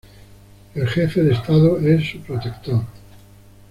El jefe de Estado es su protector.